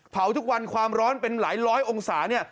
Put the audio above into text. ทุกวันความร้อนเป็นหลายร้อยองศาเนี่ย